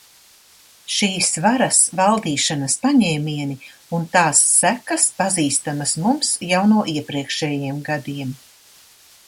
Šīs varas valdīšanas paņēmieni un tās sekas pazīstamas mums jau no iepriekšējiem gadiem.